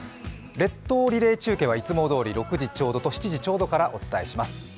列島リレー中継は、いつもどおり６時ちょうどと７時ちょうどからお伝えします。